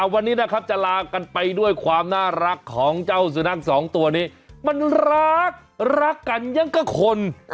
วันนี้นะครับจะลากันไปด้วยความน่ารักของเจ้าสุนัขสองตัวนี้มันรักรักกันยังก็คน